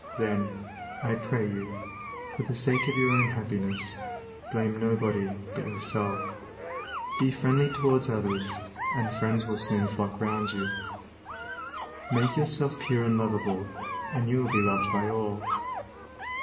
Then, I pray you, for the sake of your own happiness, blame nobody but yourself. Be friendly towards others, and friends will soon flock round you. Make yourself pure and lovable, and you will be loved by all.